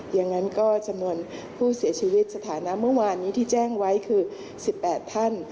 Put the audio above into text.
อย่างนั้นก็จำนวนผู้เสียชีวิตสถานะเมื่อวานนี้ที่แจ้งไว้คือ๑๘ท่าน